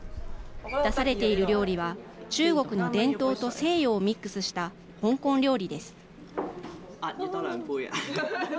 出されている料理は中国の伝統と西洋をミックスした香港料理です。